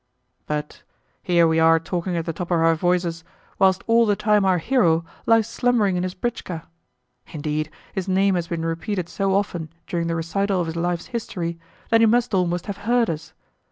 But here are we talking at the top of our voices whilst all the time our hero lies slumbering in his britchka! Indeed, his name has been repeated so often during the recital of his life's history that he must almost have heard us!